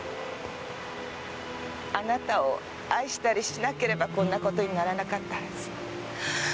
あなたを愛したりしなければこんなことにならなかったはず。